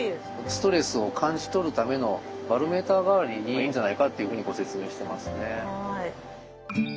ストレスを感じ取るためのバロメーター代わりにいいんじゃないかっていうふうにご説明してますね。